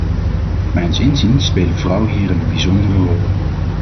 Mijns inziens spelen vrouwen hierin een bijzondere rol.